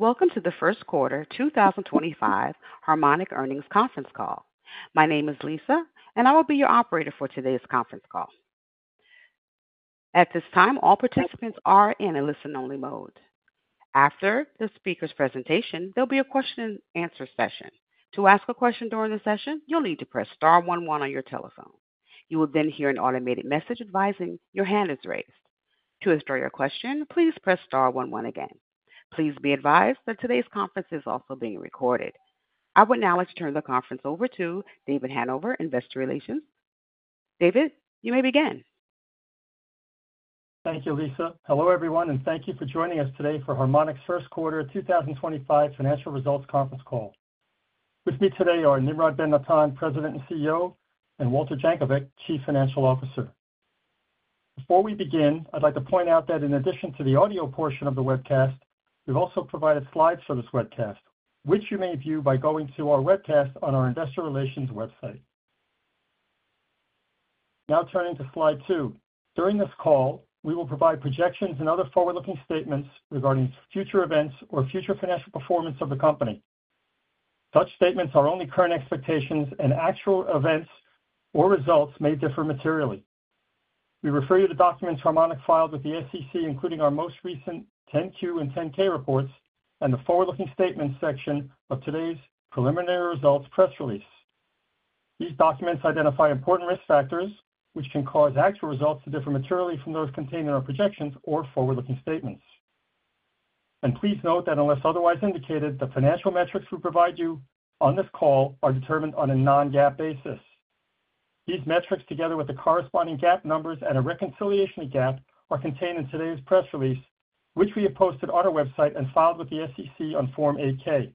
Welcome to the First Quarter 2025 Harmonic Earnings Conference Call. My name is Lisa, and I will be your operator for today's conference call. At this time, all participants are in a listen-only mode. After the speaker's presentation, there will be a question-and-answer session. To ask a question during the session, you will need to press star one one on your telephone. You will then hear an automated message advising your hand is raised. To withdraw your question, please press star one one again. Please be advised that today's conference is also being recorded. I would now like to turn the conference over to David Hanover, Investor Relations. David, you may begin. Thank you, Lisa. Hello, everyone, and thank you for joining us today for Harmonic's first quarter 2025 financial results conference call. With me today are Nimrod Ben-Natan, President and CEO, and Walter Jankovic, Chief Financial Officer. Before we begin, I'd like to point out that in addition to the audio portion of the webcast, we've also provided slides for this webcast, which you may view by going to our webcast on our Investor Relations website. Now turning to slide two. During this call, we will provide projections and other forward-looking statements regarding future events or future financial performance of the company. Such statements are only current expectations, and actual events or results may differ materially. We refer you to documents Harmonic filed with the SEC, including our most recent 10-Q and 10-K reports and the forward-looking statements section of today's preliminary results press release. These documents identify important risk factors which can cause actual results to differ materially from those contained in our projections or forward-looking statements. Please note that unless otherwise indicated, the financial metrics we provide you on this call are determined on a non-GAAP basis. These metrics, together with the corresponding GAAP numbers and a reconciliation to GAAP, are contained in today's press release, which we have posted on our website and filed with the SEC on Form 8-K.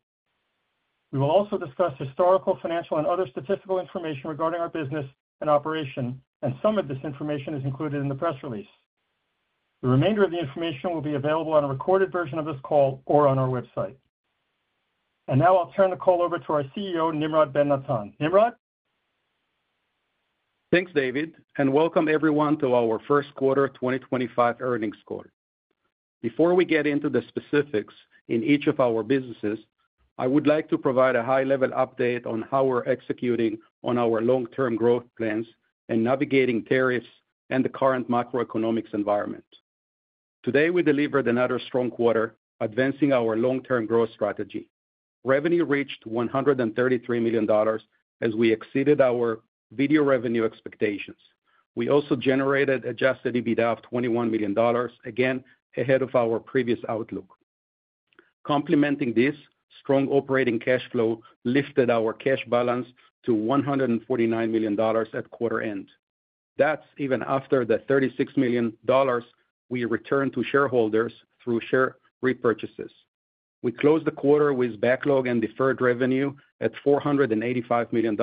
We will also discuss historical, financial, and other statistical information regarding our business and operation, and some of this information is included in the press release. The remainder of the information will be available on a recorded version of this call or on our website. Now I'll turn the call over to our CEO, Nimrod Ben-Natan. Nimrod. Thanks, David, and welcome everyone to our first quarter 2025 earnings call. Before we get into the specifics in each of our businesses, I would like to provide a high-level update on how we're executing on our long-term growth plans and navigating tariffs and the current macroeconomic environment. Today, we delivered another strong quarter, advancing our long-term growth strategy. Revenue reached $133 million as we exceeded our video revenue expectations. We also generated adjusted EBITDA of $21 million, again ahead of our previous outlook. Complementing this, strong operating cash flow lifted our cash balance to $149 million at quarter end. That's even after the $36 million we returned to shareholders through share repurchases. We closed the quarter with backlog and deferred revenue at $485 million,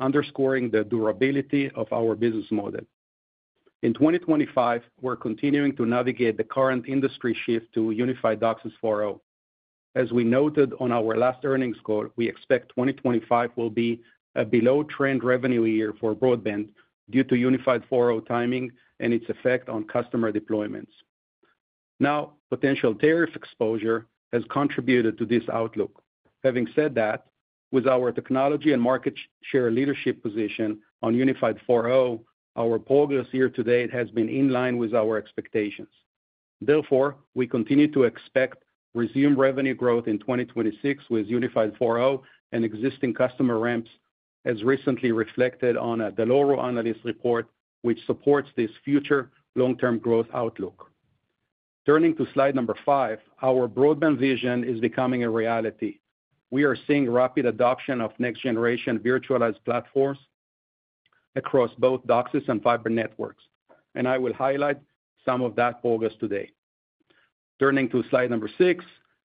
underscoring the durability of our business model. In 2025, we're continuing to navigate the current industry shift to Unified DOCSIS 4.0. As we noted on our last earnings call, we expect 2025 will be a below-trend revenue year for Broadband due to Unified DOCSIS 4.0 timing and its effect on customer deployments. Now, potential tariff exposure has contributed to this outlook. Having said that, with our technology and market share leadership position on Unified DOCSIS 4.0, our progress year to date has been in line with our expectations. Therefore, we continue to expect resumed revenue growth in 2026 with Unified DOCSIS 4.0 and existing customer ramps, as recently reflected on a Dell'Oro analyst report which supports this future long-term growth outlook. Turning to slide number five, our Broadband vision is becoming a reality. We are seeing rapid adoption of next-generation virtualized platforms across both DOCSIS and fiber networks, and I will highlight some of that progress today. Turning to slide number six,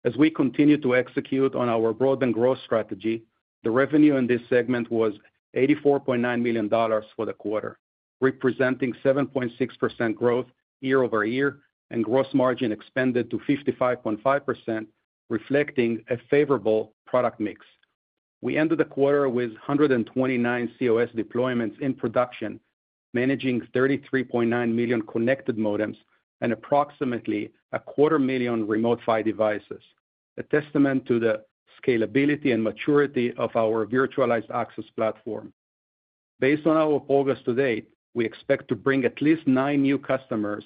as we continue to execute on our Broadband growth strategy, the revenue in this segment was $84.9 million for the quarter, representing 7.6% growth year-over-year, and gross margin expanded to 55.5%, reflecting a favorable product mix. We ended the quarter with 129 cOS deployments in production, managing 33.9 million connected modems and approximately a quarter million Remote PHY devices, a testament to the scalability and maturity of our virtualized access platform. Based on our progress to date, we expect to bring at least nine new customers,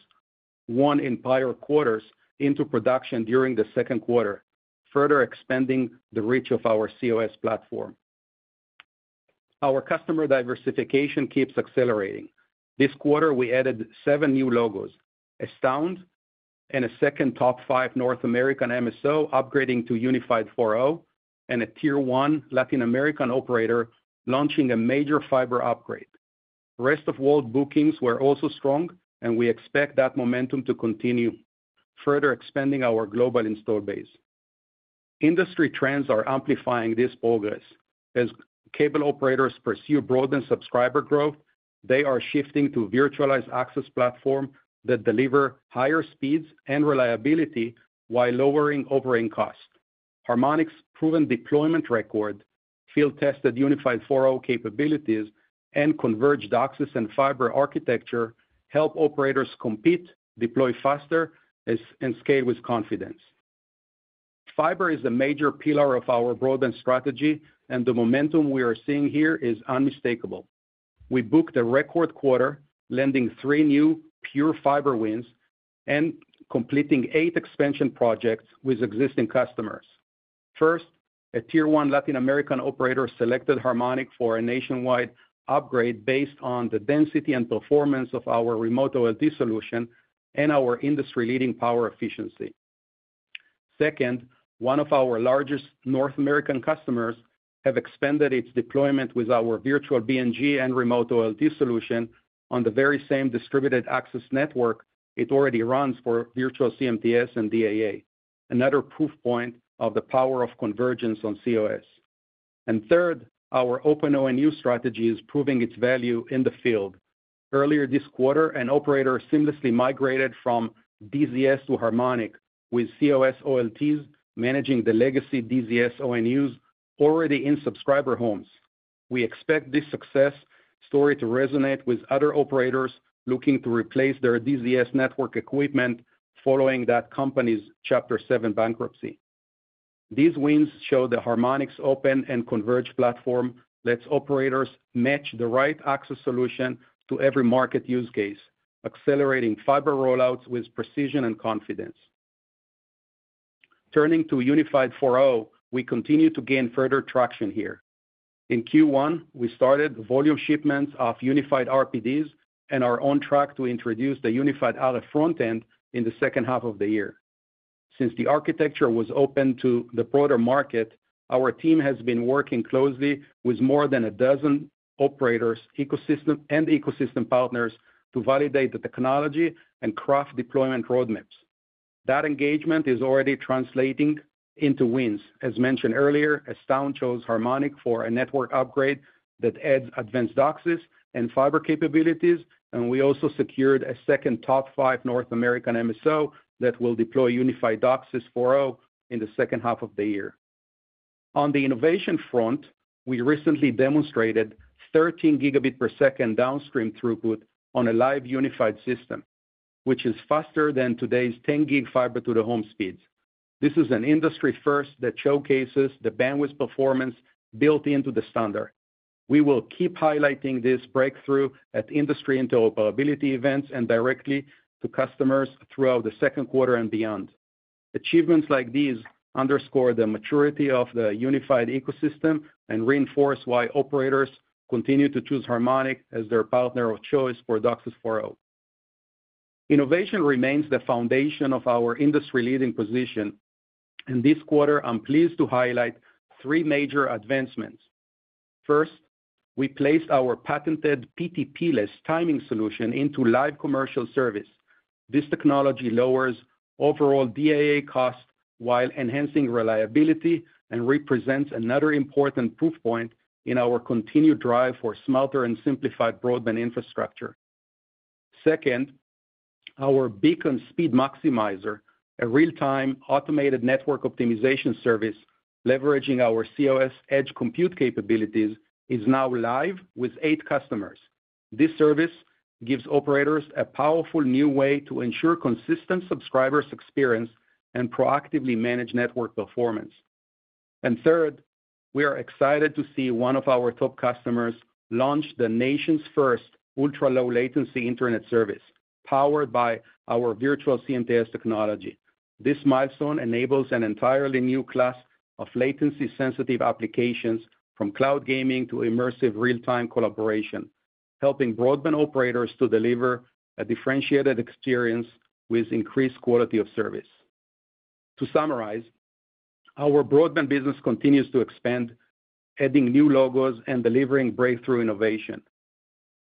one in prior quarters, into production during the second quarter, further expanding the reach of our cOS platform. Our customer diversification keeps accelerating. This quarter, we added seven new logos: Astound and a second top five North American MSO upgrading to Unified 4.0, and a Tier 1 Latin American operator launching a major fiber upgrade. Rest of World bookings were also strong, and we expect that momentum to continue, further expanding our global install base. Industry trends are amplifying this progress. As cable operators pursue broadband subscriber growth, they are shifting to virtualized access platforms that deliver higher speeds and reliability while lowering overhead costs. Harmonic's proven deployment record, field-tested Unified 4.0 capabilities, and converged DOCSIS and fiber architecture help operators compete, deploy faster, and scale with confidence. Fiber is a major pillar of our broadband strategy, and the momentum we are seeing here is unmistakable. We booked a record quarter, landing three new pure fiber wins and completing eight expansion projects with existing customers. First, a Tier 1 Latin American operator selected Harmonic for a nationwide upgrade based on the density and performance of our Remote OLT solution and our industry-leading power efficiency. Second, one of our largest North American customers has expanded its deployment with our Virtual BNG and Remote OLT solution on the very same distributed access network it already runs for Virtual CMTS and DAA, another proof point of the power of convergence on cOS. Third, our Open ONU strategy is proving its value in the field. Earlier this quarter, an operator seamlessly migrated from DZS to Harmonic, with cOS OLTs managing the legacy DZS ONUs already in subscriber homes. We expect this success story to resonate with other operators looking to replace their DZS network equipment following that company's Chapter 7 Bankruptcy. These wins show that Harmonic's open and converged platform lets operators match the right access solution to every market use case, accelerating fiber rollouts with precision and confidence. Turning to Unified DOCSIS 4.0, we continue to gain further traction here. In Q1, we started volume shipments of Unified RPDs and are on track to introduce the Unified RF front end in the second half of the year. Since the architecture was opened to the broader market, our team has been working closely with more than a dozen operators and ecosystem partners to validate the technology and craft deployment roadmaps. That engagement is already translating into wins. As mentioned earlier, Astound chose Harmonic for a network upgrade that adds advanced DOCSIS and fiber capabilities, and we also secured a second top five North American MSO that will deploy Unified DOCSIS 4.0 in the second half of the year. On the innovation front, we recently demonstrated 13 Gb per second downstream throughput on a live Unified system, which is faster than today's 10 Gb fiber-to-the-home speeds. This is an industry first that showcases the bandwidth performance built into the standard. We will keep highlighting this breakthrough at industry interoperability events and directly to customers throughout the second quarter and beyond. Achievements like these underscore the maturity of the Unified ecosystem and reinforce why operators continue to choose Harmonic as their partner of choice for DOCSIS 4.0. Innovation remains the foundation of our industry-leading position, and this quarter, I'm pleased to highlight three major advancements. First, we placed our patented PTP-less timing solution into live commercial service. This technology lowers overall DAA costs while enhancing reliability and represents another important proof point in our continued drive for smarter and simplified broadband infrastructure. Second, our Beacon Speed Maximizer, a real-time automated network optimization service leveraging our cOS edge compute capabilities, is now live with eight customers. This service gives operators a powerful new way to ensure consistent subscribers' experience and proactively manage network performance. Third, we are excited to see one of our top customers launch the nation's first ultra-low-latency internet service powered by our Virtual CMTS technology. This milestone enables an entirely new class of latency-sensitive applications, from cloud gaming to immersive real-time collaboration, helping broadband operators to deliver a differentiated experience with increased quality of service. To summarize, our Broadband business continues to expand, adding new logos and delivering breakthrough innovation.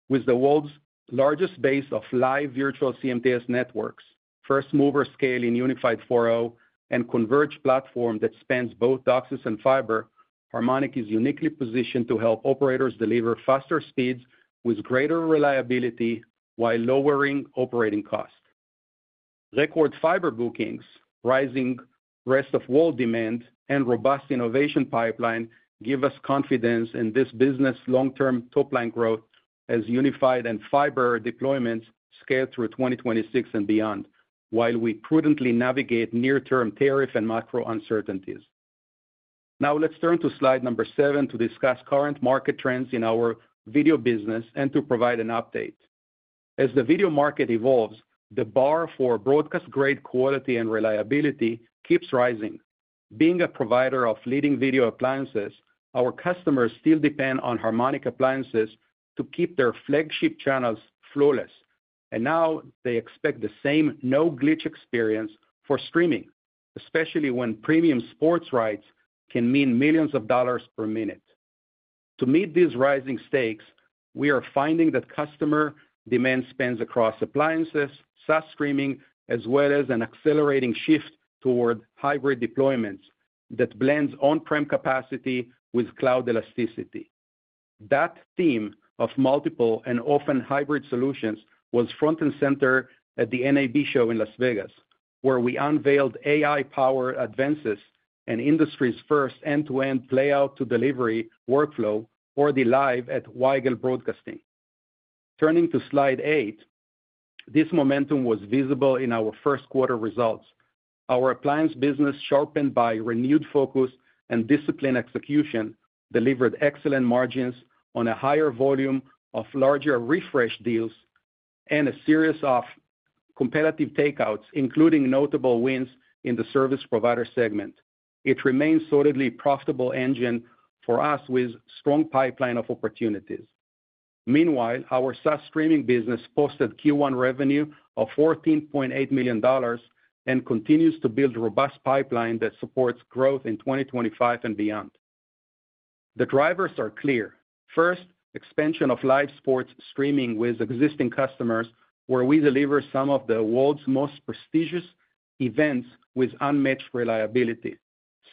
With the world's largest base of live Virtual CMTS networks, first-mover scale in Unified 4.0, and converged platform that spans both DOCSIS and fiber, Harmonic is uniquely positioned to help operators deliver faster speeds with greater reliability while lowering operating costs. Record fiber bookings, rising rest-of-world demand, and robust innovation pipeline give us confidence in this business' long-term top-line growth as unified and fiber deployments scale through 2026 and beyond, while we prudently navigate near-term tariff and macro uncertainties. Now, let's turn to slide number seven to discuss current market trends in our Video business and to provide an update. As the video market evolves, the bar for broadcast-grade quality and reliability keeps rising. Being a provider of leading video appliances, our customers still depend on Harmonic appliances to keep their flagship channels flawless, and now they expect the same no-glitch experience for streaming, especially when premium sports rights can mean millions of dollars per minute. To meet these rising stakes, we are finding that customer demand spans across appliances, SaaS streaming, as well as an accelerating shift toward hybrid deployments that blends on-prem capacity with cloud elasticity. That theme of multiple and often hybrid solutions was front and center at the NAB Show in Las Vegas, where we unveiled AI-powered advances and industry's first end-to-end playout-to-delivery workflow for the live at Weigel Broadcasting. Turning to slide eight, this momentum was visible in our first quarter results. Our Appliance business, sharpened by renewed focus and disciplined execution, delivered excellent margins on a higher volume of larger refresh deals and a series of competitive takeouts, including notable wins in the Service Provider segment. It remains a solidly profitable engine for us with a strong pipeline of opportunities. Meanwhile, our SaaS Streaming business posted Q1 revenue of $14.8 million and continues to build a robust pipeline that supports growth in 2025 and beyond. The drivers are clear. First, expansion of live sports streaming with existing customers, where we deliver some of the world's most prestigious events with unmatched reliability.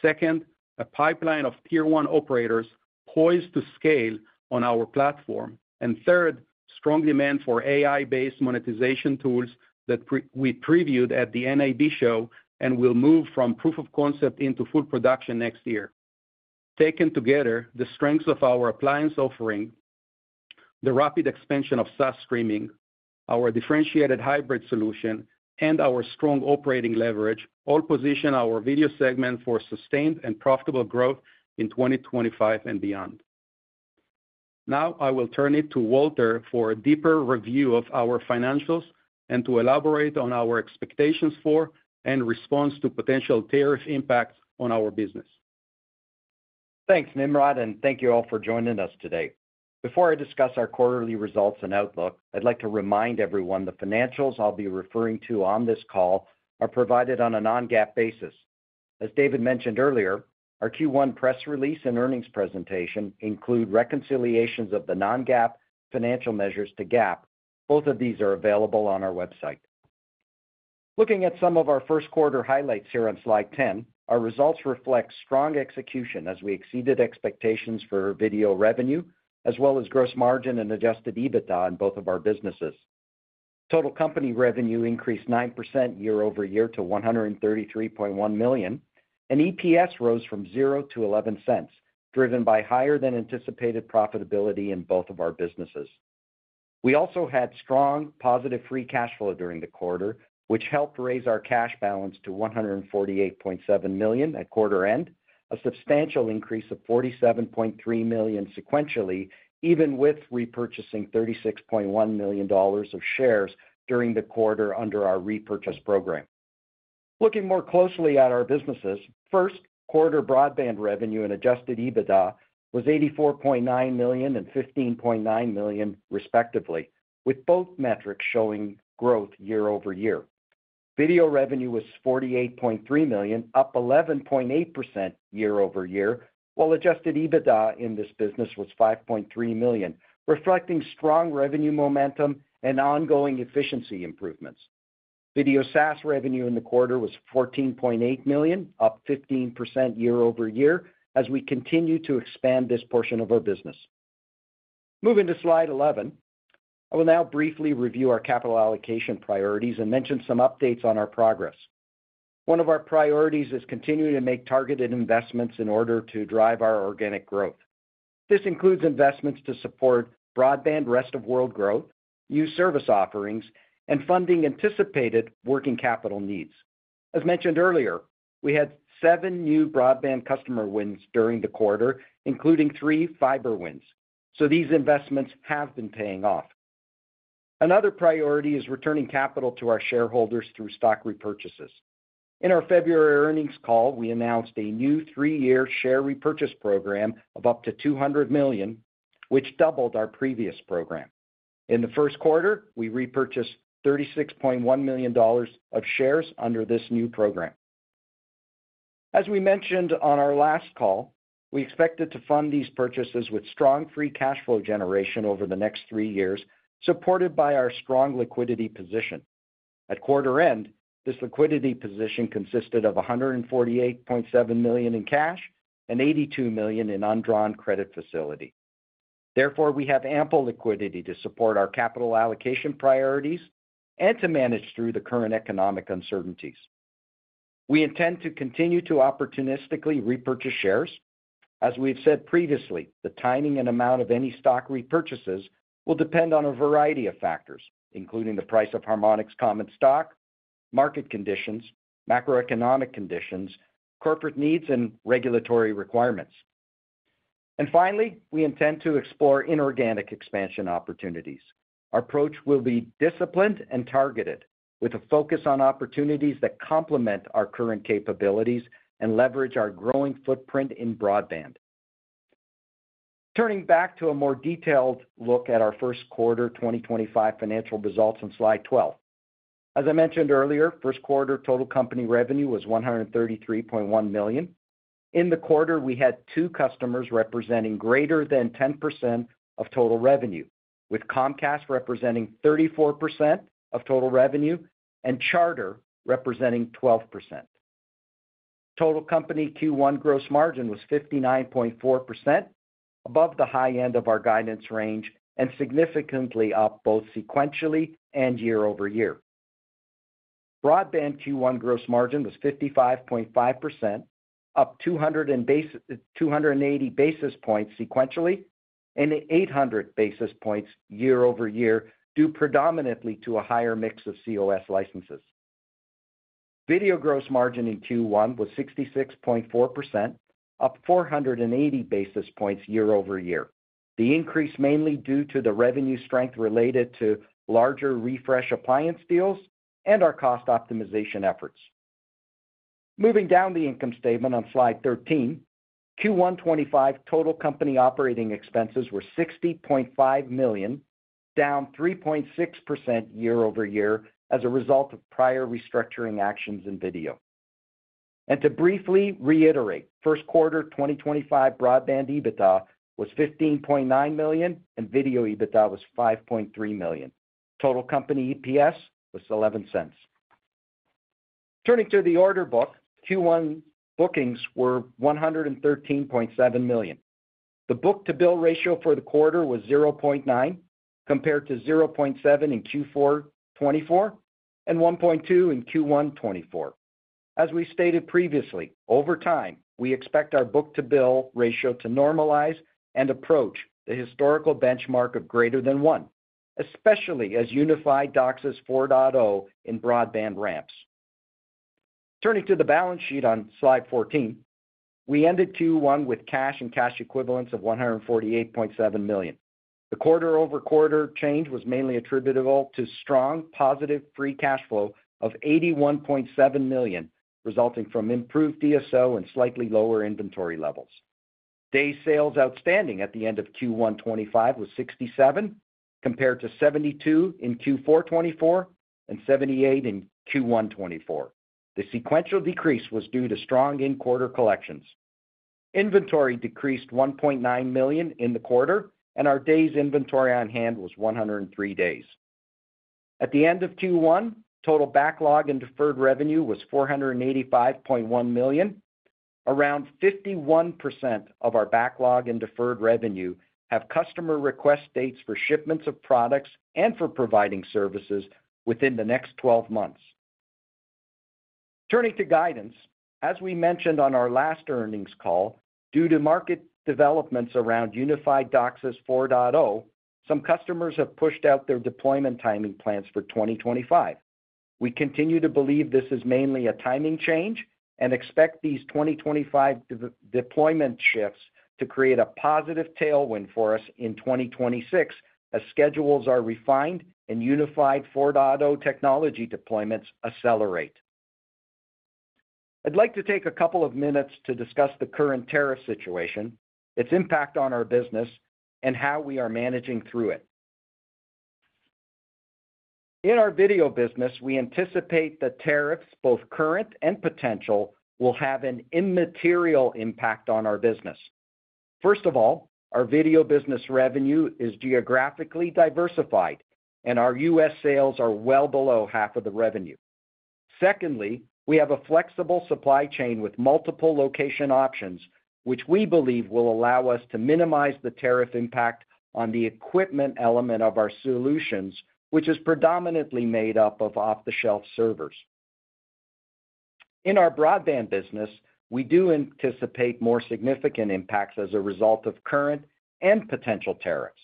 Second, a pipeline of Tier 1 operators poised to scale on our platform. Third, strong demand for AI-based monetization tools that we previewed at the NAB Show and will move from proof of concept into full production next year. Taken together, the strengths of our Appliance offering, the rapid expansion of SaaS Streaming, our differentiated hybrid solution, and our strong operating leverage all position our Video segment for sustained and profitable growth in 2025 and beyond. Now, I will turn it to Walter for a deeper review of our financials and to elaborate on our expectations for and response to potential tariff impacts on our business. Thanks, Nimrod, and thank you all for joining us today. Before I discuss our quarterly results and outlook, I'd like to remind everyone the financials I'll be referring to on this call are provided on a non-GAAP basis. As David mentioned earlier, our Q1 press release and earnings presentation include reconciliations of the non-GAAP financial measures to GAAP. Both of these are available on our website. Looking at some of our first quarter highlights here on slide 10, our results reflect strong execution as we exceeded expectations for video revenue, as well as gross margin and adjusted EBITDA in both of our businesses. Total company revenue increased 9% year-over-year to $133.1 million, and EPS rose from $0.00 to $0.11, driven by higher-than-anticipated profitability in both of our businesses. We also had strong, positive free cash flow during the quarter, which helped raise our cash balance to $148.7 million at quarter end, a substantial increase of $47.3 million sequentially, even with repurchasing $36.1 million of shares during the quarter under our repurchase program. Looking more closely at our businesses, first quarter Broadband revenue and adjusted EBITDA was $84.9 million and $15.9 million, respectively, with both metrics showing growth year-over-year. Video revenue was $48.3 million, up 11.8% year-over-year, while adjusted EBITDA in this business was $5.3 million, reflecting strong revenue momentum and ongoing efficiency improvements. Video SaaS revenue in the quarter was $14.8 million, up 15% year-over-year, as we continue to expand this portion of our business. Moving to slide 11, I will now briefly review our capital allocation priorities and mention some updates on our progress. One of our priorities is continuing to make targeted investments in order to drive our organic growth. This includes investments to support broadband rest-of-world growth, new service offerings, and funding anticipated working capital needs. As mentioned earlier, we had seven new broadband customer wins during the quarter, including three fiber wins, so these investments have been paying off. Another priority is returning capital to our shareholders through stock repurchases. In our February earnings call, we announced a new three-year share repurchase program of up to $200 million, which doubled our previous program. In the first quarter, we repurchased $36.1 million of shares under this new program. As we mentioned on our last call, we expected to fund these purchases with strong free cash flow generation over the next three years, supported by our strong liquidity position. At quarter end, this liquidity position consisted of $148.7 million in cash and $82 million in undrawn credit facility. Therefore, we have ample liquidity to support our capital allocation priorities and to manage through the current economic uncertainties. We intend to continue to opportunistically repurchase shares. As we've said previously, the timing and amount of any stock repurchases will depend on a variety of factors, including the price of Harmonic's common stock, market conditions, macroeconomic conditions, corporate needs, and regulatory requirements. Finally, we intend to explore inorganic expansion opportunities. Our approach will be disciplined and targeted, with a focus on opportunities that complement our current capabilities and leverage our growing footprint in broadband. Turning back to a more detailed look at our first quarter 2025 financial results on slide 12. As I mentioned earlier, first quarter total company revenue was $133.1 million. In the quarter, we had two customers representing greater than 10% of total revenue, with Comcast representing 34% of total revenue and Charter representing 12%. Total company Q1 gross margin was 59.4%, above the high end of our guidance range and significantly up both sequentially and year-over-year. Broadband Q1 gross margin was 55.5%, up 280 basis points sequentially and 800 basis points year-over-year, due predominantly to a higher mix of cOS licenses. Video gross margin in Q1 was 66.4%, up 480 basis points year-over-year, the increase mainly due to the revenue strength related to larger refresh appliance deals and our cost optimization efforts. Moving down the income statement on slide 13, Q1 2025 total company operating expenses were $60.5 million, down 3.6% year-over-year as a result of prior restructuring actions in Video. To briefly reiterate, first quarter 2025 Broadband EBITDA was $15.9 million and Video EBITDA was $5.3 million. Total company EPS was $0.11. Turning to the order book, Q1 bookings were $113.7 million. The book-to-bill ratio for the quarter was 0.9, compared to 0.7 in Q4 2024 and 1.2 in Q1 2024. As we stated previously, over time, we expect our book-to-bill ratio to normalize and approach the historical benchmark of greater than one, especially as Unified DOCSIS 4.0 in broadband ramps. Turning to the balance sheet on slide 14, we ended Q1 with cash and cash equivalents of $148.7 million. The quarter-over-quarter change was mainly attributable to strong, positive free cash flow of $81.7 million, resulting from improved DSO and slightly lower inventory levels. Days Sales Outstanding at the end of Q1 2025 was $67, compared to $72 in Q4 2024 and $78 in Q1 2024. The sequential decrease was due to strong in-quarter collections. Inventory decreased $1.9 million in the quarter, and our days inventory on hand was 103 days. At the end of Q1, total backlog and deferred revenue was $485.1 million. Around 51% of our backlog and deferred revenue have customer request dates for shipments of products and for providing services within the next 12 months. Turning to guidance, as we mentioned on our last earnings call, due to market developments around Unified DOCSIS 4.0, some customers have pushed out their deployment timing plans for 2025. We continue to believe this is mainly a timing change and expect these 2025 deployment shifts to create a positive tailwind for us in 2026 as schedules are refined and Unified 4.0 technology deployments accelerate. I'd like to take a couple of minutes to discuss the current tariff situation, its impact on our business, and how we are managing through it. In our Video business, we anticipate that tariffs, both current and potential, will have an immaterial impact on our business. First of all, our Video business revenue is geographically diversified, and our U.S. sales are well below half of the revenue. Secondly, we have a flexible supply chain with multiple location options, which we believe will allow us to minimize the tariff impact on the equipment element of our solutions, which is predominantly made up of off-the-shelf servers. In our Broadband business, we do anticipate more significant impacts as a result of current and potential tariffs.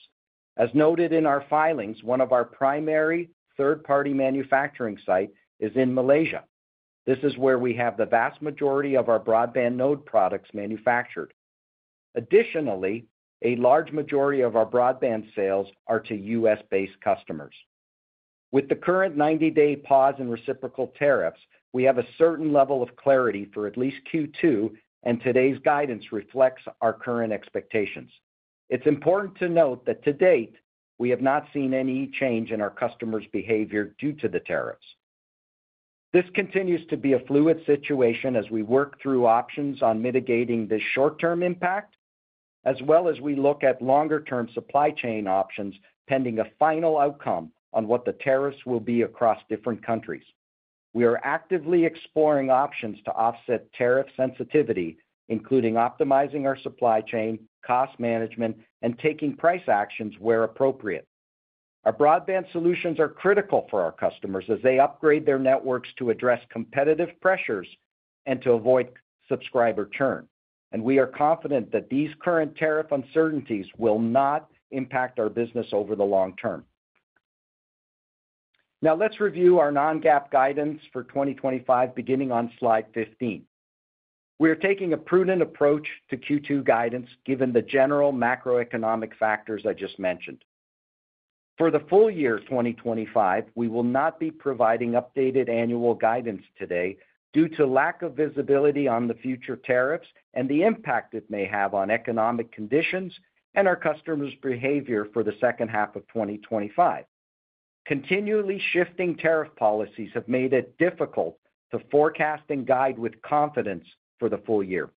As noted in our filings, one of our primary third-party manufacturing sites is in Malaysia. This is where we have the vast majority of our broadband node products manufactured. Additionally, a large majority of our broadband sales are to U.S.-based customers. With the current 90-day pause in reciprocal tariffs, we have a certain level of clarity for at least Q2, and today's guidance reflects our current expectations. It's important to note that to date, we have not seen any change in our customers' behavior due to the tariffs. This continues to be a fluid situation as we work through options on mitigating this short-term impact, as well as we look at longer-term supply chain options pending a final outcome on what the tariffs will be across different countries. We are actively exploring options to offset tariff sensitivity, including optimizing our supply chain, cost management, and taking price actions where appropriate. Our broadband solutions are critical for our customers as they upgrade their networks to address competitive pressures and to avoid subscriber churn, and we are confident that these current tariff uncertainties will not impact our business over the long term. Now, let's review our non-GAAP guidance for 2025, beginning on slide 15. We are taking a prudent approach to Q2 guidance, given the general macroeconomic factors I just mentioned. For the full year 2025, we will not be providing updated annual guidance today due to lack of visibility on the future tariffs and the impact it may have on economic conditions and our customers' behavior for the second half of 2025. Continually shifting tariff policies have made it difficult to forecast and guide with confidence for the full year.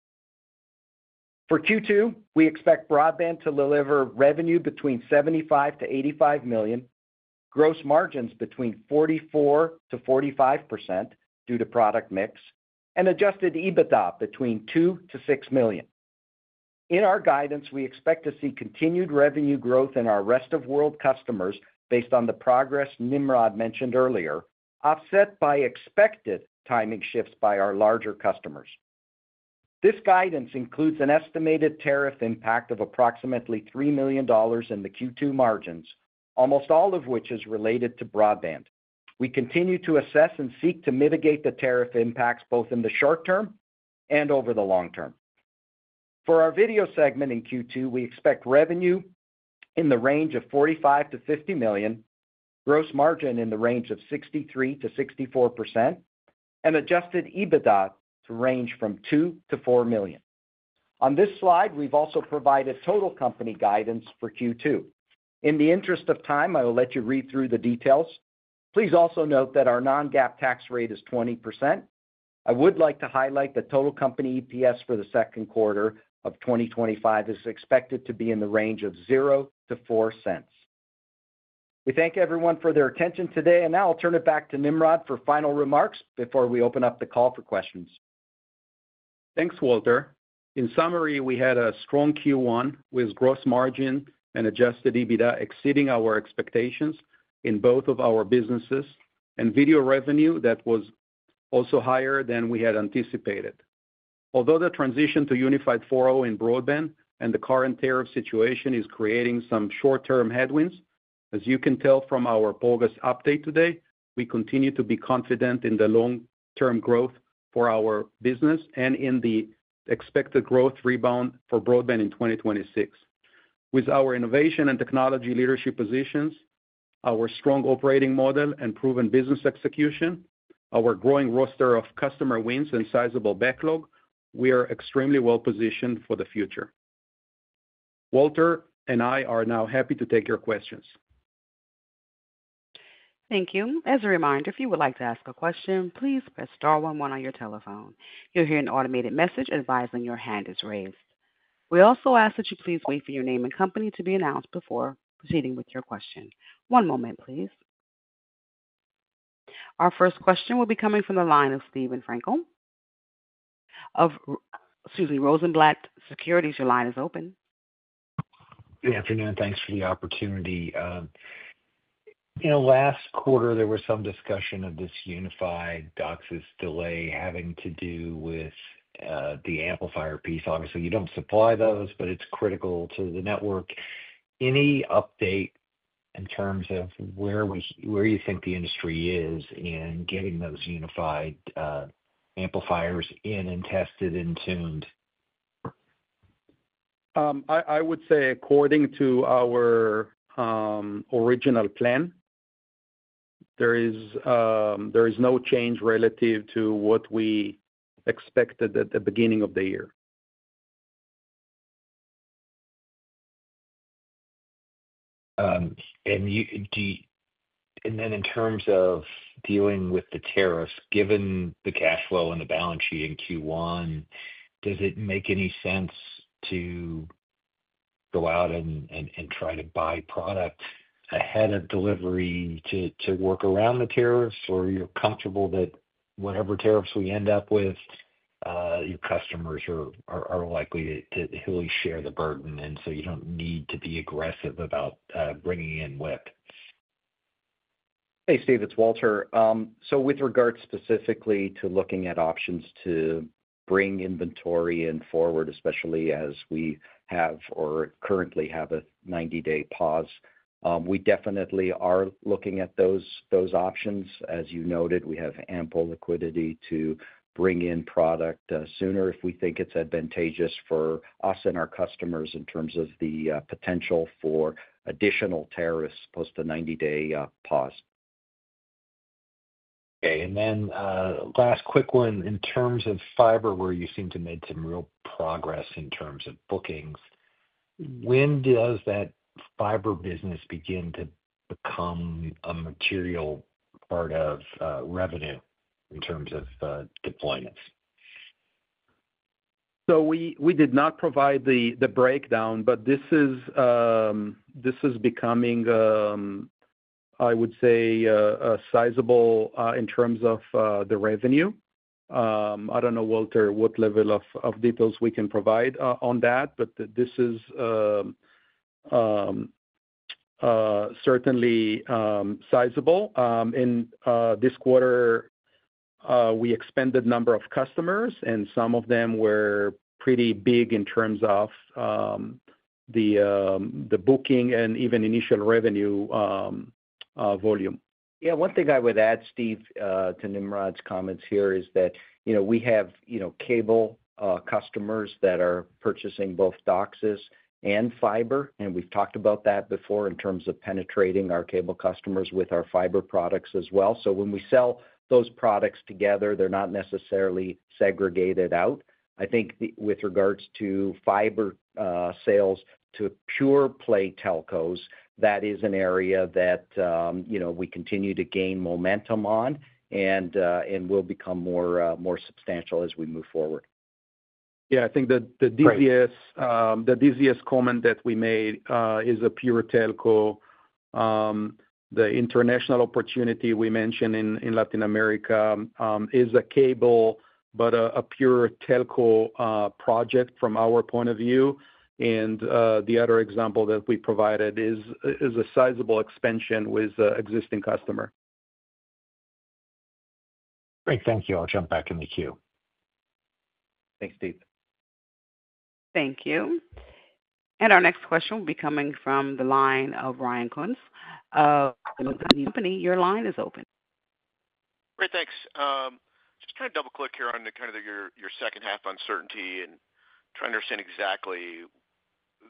For Q2, we expect Broadband to deliver revenue between $75 million-$85 million, gross margins between 44%-45% due to product mix, and adjusted EBITDA between $2 million-$6 million. In our guidance, we expect to see continued revenue growth in our rest-of-world customers based on the progress Nimrod mentioned earlier, offset by expected timing shifts by our larger customers. This guidance includes an estimated tariff impact of approximately $3 million in the Q2 margins, almost all of which is related to Broadband. We continue to assess and seek to mitigate the tariff impacts both in the short term and over the long term. For our Video segment in Q2, we expect revenue in the range of $45 million-$50 million, gross margin in the range of 63%-64%, and adjusted EBITDA to range from $2 million-$4 million. On this slide, we've also provided total company guidance for Q2. In the interest of time, I will let you read through the details. Please also note that our non-GAAP tax rate is 20%. I would like to highlight that total company EPS for the second quarter of 2025 is expected to be in the range of $0-$0.04. We thank everyone for their attention today, and now I'll turn it back to Nimrod for final remarks before we open up the call for questions. Thanks, Walter. In summary, we had a strong Q1 with gross margin and adjusted EBITDA exceeding our expectations in both of our businesses and Video revenue that was also higher than we had anticipated. Although the transition to Unified DOCSIS 4.0 in Broadband and the current tariff situation is creating some short-term headwinds, as you can tell from our outlook update today, we continue to be confident in the long-term growth for our business and in the expected growth rebound for Broadband in 2026. With our innovation and technology leadership positions, our strong operating model, and proven business execution, our growing roster of customer wins, and sizable backlog, we are extremely well-positioned for the future. Walter and I are now happy to take your questions. Thank you. As a reminder, if you would like to ask a question, please press star one one on your telephone. You'll hear an automated message advising your hand is raised. We also ask that you please wait for your name and company to be announced before proceeding with your question. One moment, please. Our first question will be coming from the line of Steve Frankel of Rosenblatt Securities. Your line is open. Good afternoon. Thanks for the opportunity. In the last quarter, there was some discussion of this Unified DOCSIS delay having to do with the amplifier piece. Obviously, you don't supply those, but it's critical to the network. Any update in terms of where you think the industry is in getting those Unified amplifiers in and tested and tuned? I would say, according to our original plan, there is no change relative to what we expected at the beginning of the year. In terms of dealing with the tariffs, given the cash flow and the balance sheet in Q1, does it make any sense to go out and try to buy product ahead of delivery to work around the tariffs, or are you comfortable that whatever tariffs we end up with, your customers are likely to really share the burden, and so you do not need to be aggressive about bringing in WIP? Hey, Steve, it is Walter. With regards specifically to looking at options to bring inventory in forward, especially as we have or currently have a 90-day pause, we definitely are looking at those options. As you noted, we have ample liquidity to bring in product sooner if we think it's advantageous for us and our customers in terms of the potential for additional tariffs post a 90-day pause. Okay. Last quick one. In terms of Fiber, where you seem to have made some real progress in terms of bookings, when does that Fiber business begin to become a material part of revenue in terms of deployments? We did not provide the breakdown, but this is becoming, I would say, sizable in terms of the revenue. I don't know, Walter, what level of details we can provide on that, but this is certainly sizable. In this quarter, we expended a number of customers, and some of them were pretty big in terms of the booking and even initial revenue volume. Yeah. One thing I would add, Steve, to Nimrod's comments here is that we have cable customers that are purchasing both DOCSIS and fiber, and we've talked about that before in terms of penetrating our cable customers with our fiber products as well. When we sell those products together, they're not necessarily segregated out. I think with regards to Fiber sales to pure-play telcos, that is an area that we continue to gain momentum on and will become more substantial as we move forward. Yeah. I think the DZS comment that we made is a pure telco. The international opportunity we mentioned in Latin America is a cable, but a pure telco project from our point of view. The other example that we provided is a sizable expansion with an existing customer. Great. Thank you. I'll jump back in the queue. Thanks, Steve. Thank you. Our next question will be coming from the line of Ryan Koontz of Needham and Company. Your line is open. Great. Thanks. Just kind of double-click here on kind of your second half uncertainty and trying to understand exactly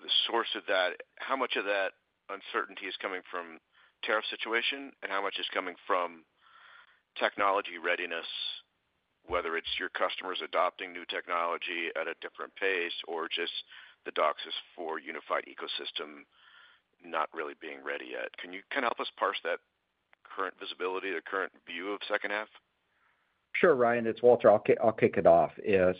the source of that. How much of that uncertainty is coming from the tariff situation, and how much is coming from technology readiness, whether it's your customers adopting new technology at a different pace or just the DOCSIS 4.0 Unified ecosystem not really being ready yet? Can you kind of help us parse that current visibility, the current view of the second half? Sure, Ryan. It's Walter. I'll kick it off.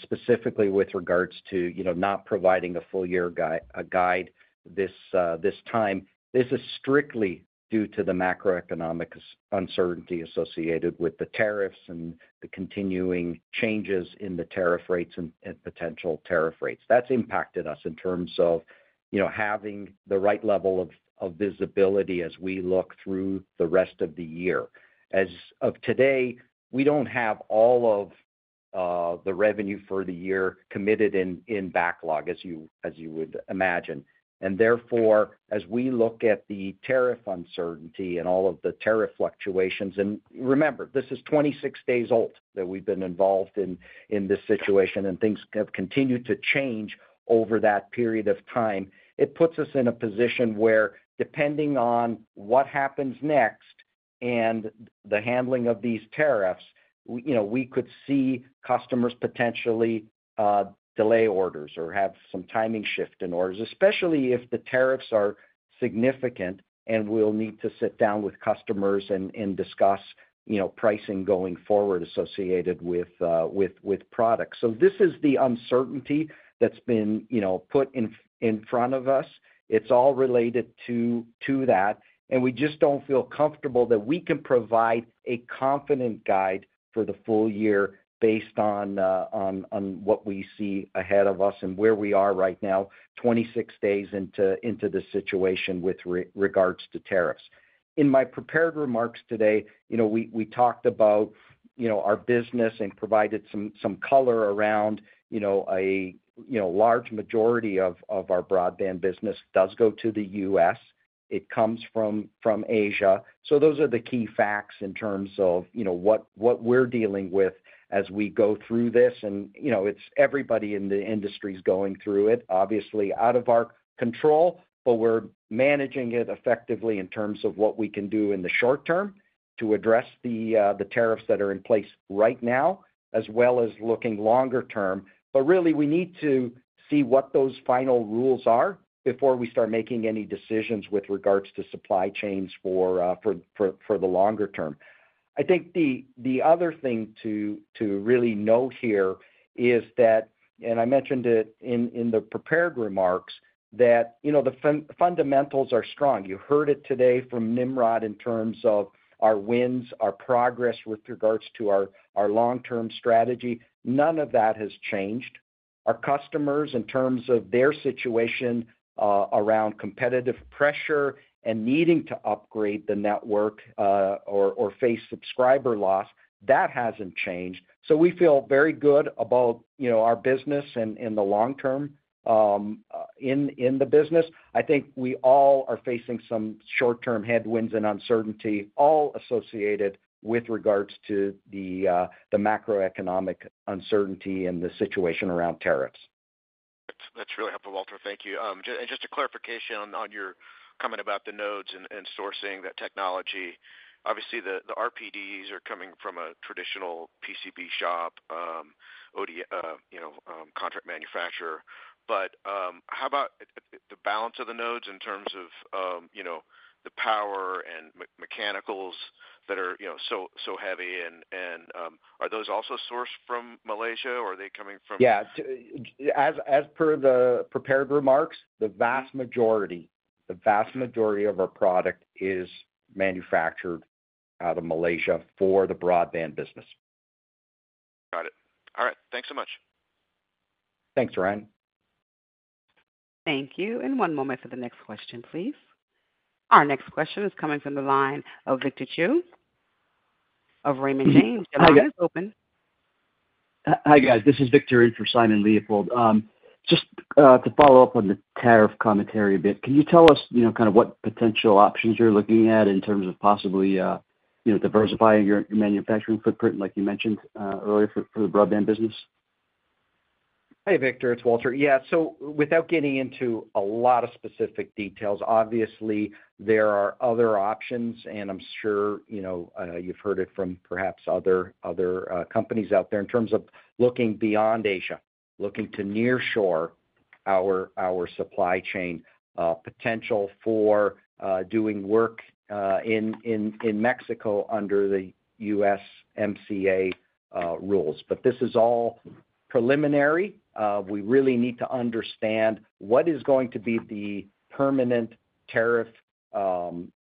Specifically with regards to not providing a full-year guide this time, this is strictly due to the macroeconomic uncertainty associated with the tariffs and the continuing changes in the tariff rates and potential tariff rates. That's impacted us in terms of having the right level of visibility as we look through the rest of the year. As of today, we don't have all of the revenue for the year committed in backlog, as you would imagine. Therefore, as we look at the tariff uncertainty and all of the tariff fluctuations—remember, this is 26 days old that we've been involved in this situation, and things have continued to change over that period of time—it puts us in a position where, depending on what happens next and the handling of these tariffs, we could see customers potentially delay orders or have some timing shift in orders, especially if the tariffs are significant and we'll need to sit down with customers and discuss pricing going forward associated with products. This is the uncertainty that's been put in front of us. It's all related to that, and we just don't feel comfortable that we can provide a confident guide for the full year based on what we see ahead of us and where we are right now, 26 days into the situation with regards to tariffs. In my prepared remarks today, we talked about our business and provided some color around a large majority of our Broadband business does go to the U.S. It comes from Asia. Those are the key facts in terms of what we're dealing with as we go through this. Everybody in the industry is going through it, obviously, out of our control, but we're managing it effectively in terms of what we can do in the short term to address the tariffs that are in place right now, as well as looking longer term. Really, we need to see what those final rules are before we start making any decisions with regards to supply chains for the longer term. I think the other thing to really note here is that—I mentioned it in the prepared remarks—the fundamentals are strong. You heard it today from Nimrod in terms of our wins, our progress with regards to our long-term strategy. None of that has changed. Our customers, in terms of their situation around competitive pressure and needing to upgrade the network or face subscriber loss, that has not changed. We feel very good about our business in the long term in the business. I think we all are facing some short-term headwinds and uncertainty all associated with regards to the macroeconomic uncertainty and the situation around tariffs. That is really helpful, Walter. Thank you. Just a clarification on your comment about the nodes and sourcing that technology. Obviously, the RPDs are coming from a traditional PCB shop, ODM contract manufacturer. How about the balance of the nodes in terms of the power and mechanicals that are so heavy? Are those also sourced from Malaysia, or are they coming from somewhere else? As per the prepared remarks, the vast majority, the vast majority of our product is manufactured out of Malaysia for the Broadband business. Got it. All right. Thanks so much. Thanks, Ryan. Thank you. One moment for the next question, please. Our next question is coming from the line of Victor Chiu of Raymond James. Your line is open. Hi, guys. This is Victor in for Simon Leopold. Just to follow up on the tariff commentary a bit, can you tell us kind of what potential options you're looking at in terms of possibly diversifying your manufacturing footprint, like you mentioned earlier, for the Broadband business? Hey, Victor. It's Walter. Yeah. Without getting into a lot of specific details, obviously, there are other options, and I'm sure you've heard it from perhaps other companies out there in terms of looking beyond Asia, looking to nearshore our supply chain potential for doing work in Mexico under the USMCA rules. This is all preliminary. We really need to understand what is going to be the permanent tariff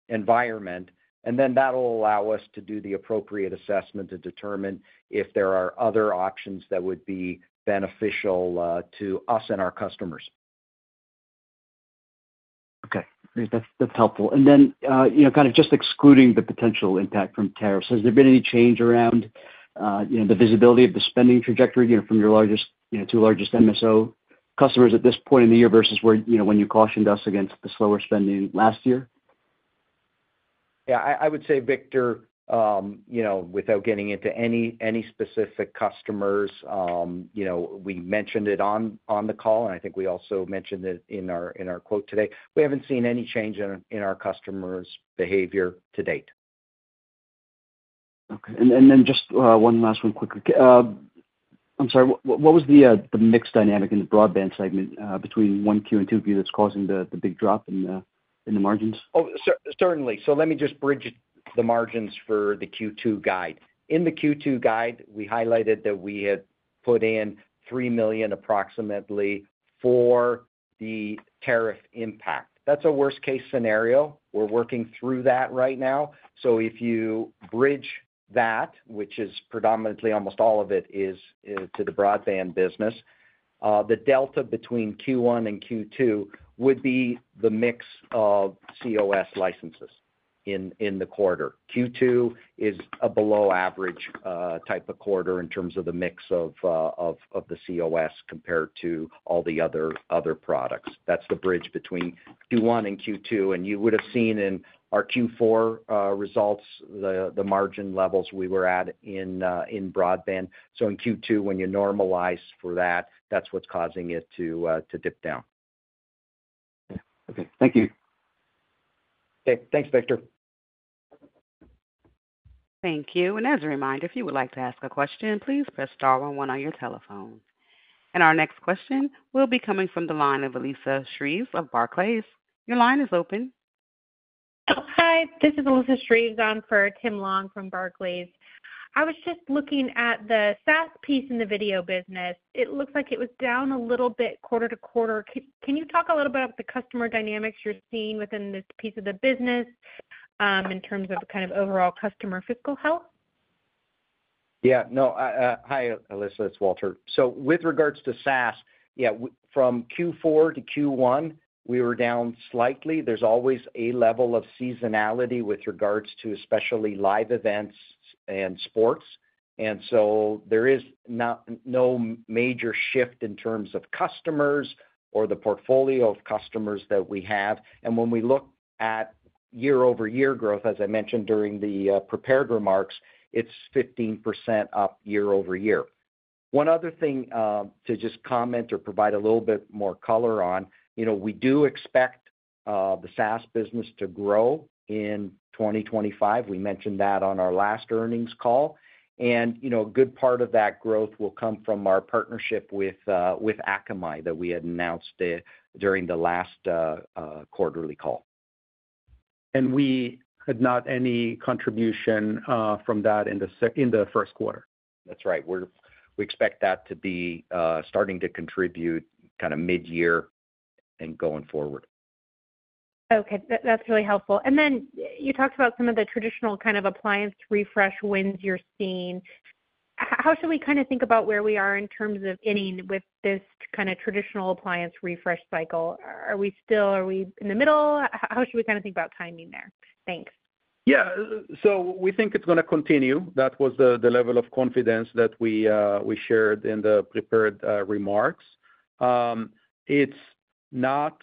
environment, and then that'll allow us to do the appropriate assessment to determine if there are other options that would be beneficial to us and our customers. Okay. That's helpful. Kind of just excluding the potential impact from tariffs, has there been any change around the visibility of the spending trajectory from your two largest MSO customers at this point in the year versus when you cautioned us against the slower spending last year? Yeah. I would say, Victor, without getting into any specific customers, we mentioned it on the call, and I think we also mentioned it in our quote today. We haven't seen any change in our customers' behavior to date. Okay. Just one last one, quickly. I'm sorry. What was the mix dynamic in the Broadband segment between Q1 and Q2 that's causing the big drop in the margins? Oh, certainly. Let me just bridge the margins for the Q2 guide. In the Q2 guide, we highlighted that we had put in $3 million, approximately, for the tariff impact. That's a worst-case scenario. We're working through that right now. If you bridge that, which is predominantly almost all of it is to the Broadband business, the delta between Q1 and Q2 would be the mix of cOS licenses in the quarter. Q2 is a below-average type of quarter in terms of the mix of the cOS compared to all the other products. That's the bridge between Q1 and Q2. You would have seen in our Q4 results, the margin levels we were at in broadband. In Q2, when you normalize for that, that's what's causing it to dip down. Okay. Thank you. Okay. Thanks, Victor. Thank you. As a reminder, if you would like to ask a question, please press star one-one on your telephone. Our next question will be coming from the line of Alyssa Shreves of Barclays. Your line is open. Hi. This is Alyssa Shreves on for Tim Long from Barclays. I was just looking at the SaaS piece in the Video business. It looks like it was down a little bit quarter to quarter. Can you talk a little bit about the customer dynamics you're seeing within this piece of the business in terms of kind of overall customer fiscal health? Yeah. No. Hi, Alyssa. It's Walter. With regards to SaaS, from Q4 to Q1, we were down slightly. There's always a level of seasonality with regards to especially live events and sports. There is no major shift in terms of customers or the portfolio of customers that we have. When we look at year-over-year growth, as I mentioned during the prepared remarks, it's 15% up year-over-year. One other thing to just comment or provide a little bit more color on, we do expect the SaaS business to grow in 2025. We mentioned that on our last earnings call. A good part of that growth will come from our partnership with Akamai that we had announced during the last quarterly call. We had not any contribution from that in the second or first quarter. That's right. We expect that to be starting to contribute kind of mid-year and going forward. Okay. That's really helpful. You talked about some of the traditional kind of appliance refresh wins you're seeing. How should we kind of think about where we are in terms of ending with this kind of traditional appliance refresh cycle? Are we still in the middle? How should we kind of think about timing there? Thanks. Yeah. We think it's going to continue. That was the level of confidence that we shared in the prepared remarks. It's not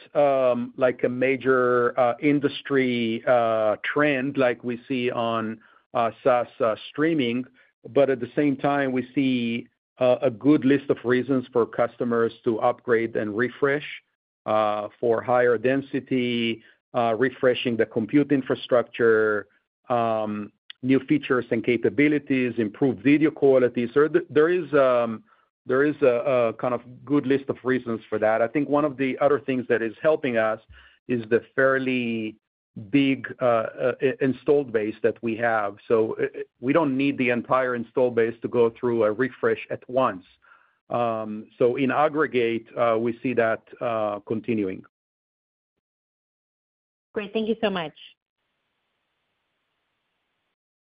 like a major industry trend like we see on SaaS streaming, but at the same time, we see a good list of reasons for customers to upgrade and refresh for higher density, refreshing the compute infrastructure, new features and capabilities, improved video quality. There is a kind of good list of reasons for that. I think one of the other things that is helping us is the fairly big installed base that we have. We don't need the entire installed base to go through a refresh at once. In aggregate, we see that continuing. Great. Thank you so much.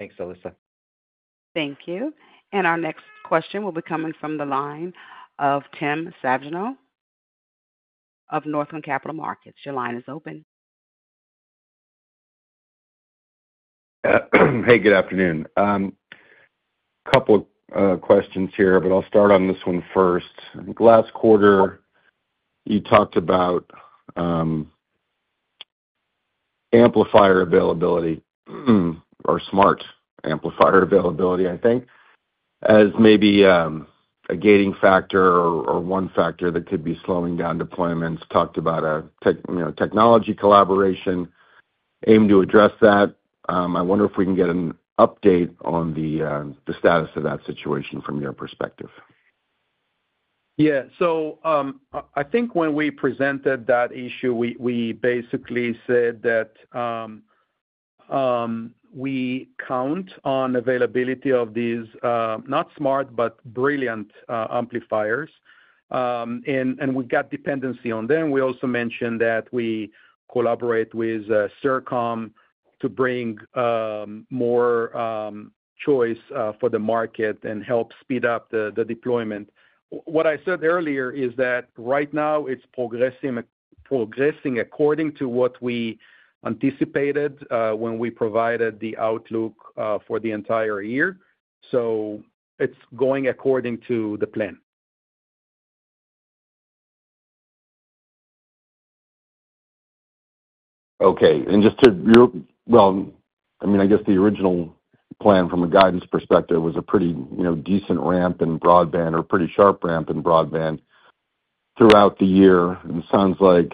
Thanks, Alyssa. Thank you. Our next question will be coming from the line of Tim Savageaux of Northland Capital Markets. Your line is open. Hey, good afternoon. A couple of questions here, but I'll start on this one first. I think last quarter, you talked about amplifier availability or smart amplifier availability, I think, as maybe a gating factor or one factor that could be slowing down deployments. Talked about technology collaboration. Aim to address that. I wonder if we can get an update on the status of that situation from your perspective. Yeah. I think when we presented that issue, we basically said that we count on availability of these, not smart, but brilliant amplifiers. And we got dependency on them. We also mentioned that we collaborate with Sercomm to bring more choice for the market and help speed up the deployment. What I said earlier is that right now, it's progressing according to what we anticipated when we provided the outlook for the entire year. It's going according to the plan. Okay. Just to, I mean, I guess the original plan from a guidance perspective was a pretty decent ramp in Broadband or pretty sharp ramp in Broadband throughout the year. It sounds like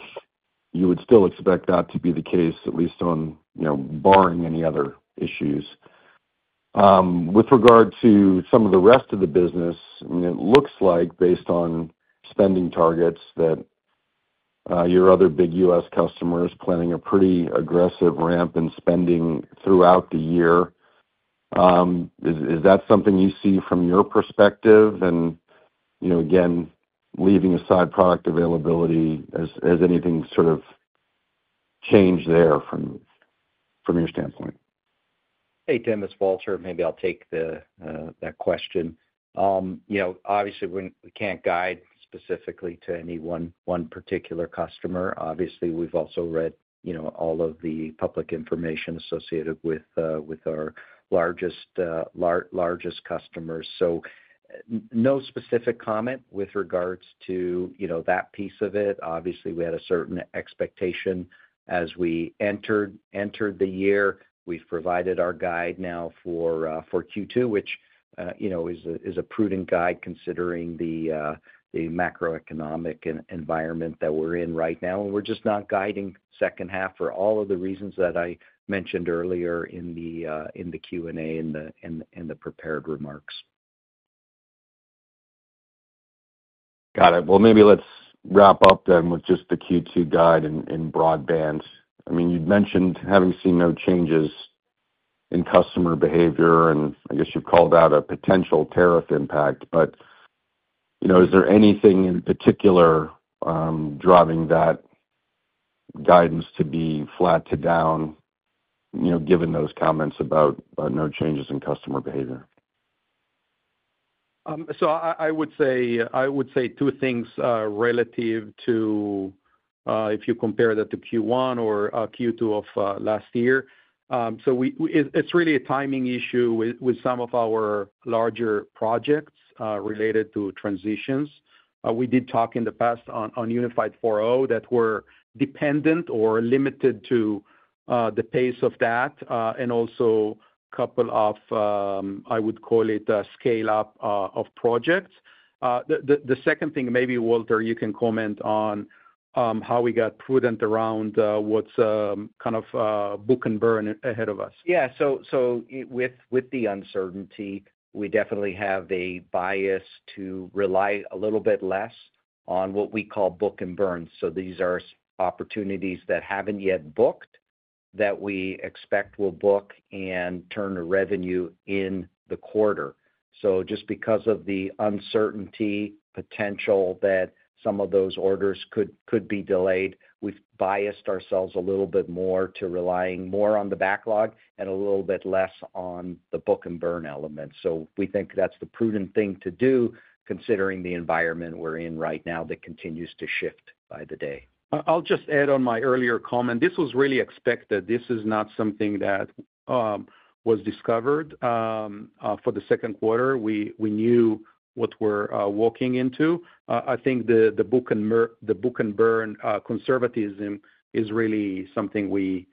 you would still expect that to be the case, at least barring any other issues. With regard to some of the rest of the business, I mean, it looks like, based on spending targets, that your other big U.S. customers are planning a pretty aggressive ramp in spending throughout the year. Is that something you see from your perspective? Again, leaving aside product availability, has anything sort of changed there from your standpoint? Hey, Tim, it's Walter. Maybe I'll take that question. Obviously, we can't guide specifically to any one particular customer. Obviously, we've also read all of the public information associated with our largest customers. No specific comment with regards to that piece of it. Obviously, we had a certain expectation as we entered the year. We've provided our guide now for Q2, which is a prudent guide considering the macroeconomic environment that we're in right now. We're just not guiding second half for all of the reasons that I mentioned earlier in the Q&A and the prepared remarks. Got it. Maybe let's wrap up then with just the Q2 guide and Broadband. I mean, you'd mentioned having seen no changes in customer behavior, and I guess you've called out a potential tariff impact. Is there anything in particular driving that guidance to be flat to down, given those comments about no changes in customer behavior? I would say two things relative to if you compare that to Q1 or Q2 of last year. It is really a timing issue with some of our larger projects related to transitions. We did talk in the past on Unified 4.0 that were dependent or limited to the pace of that, and also a couple of, I would call it, scale-up of projects. The second thing, maybe, Walter, you can comment on how we got prudent around what is kind of book and burn ahead of us. Yeah. With the uncertainty, we definitely have a bias to rely a little bit less on what we call book and burn. These are opportunities that have not yet booked that we expect will book and turn a revenue in the quarter. Just because of the uncertainty potential that some of those orders could be delayed, we've biased ourselves a little bit more to relying more on the backlog and a little bit less on the book and burn element. We think that's the prudent thing to do, considering the environment we're in right now that continues to shift by the day. I'll just add on my earlier comment. This was really expected. This is not something that was discovered for the second quarter. We knew what we're walking into. I think the book and burn conservatism is really something we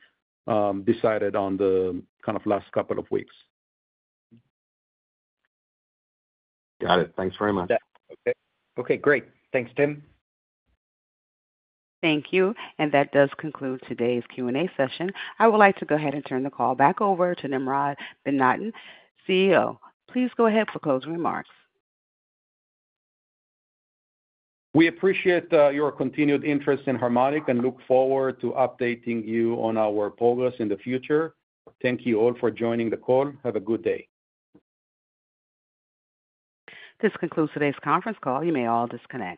decided on the kind of last couple of weeks. Got it. Thanks very much. Okay. Great. Thanks, Tim. Thank you. That does conclude today's Q&A session. I would like to go ahead and turn the call back over to Nimrod Ben-Natan, CEO. Please go ahead for closing remarks. We appreciate your continued interest in Harmonic and look forward to updating you on our progress in the future. Thank you all for joining the call. Have a good day. This concludes today's conference call. You may all disconnect.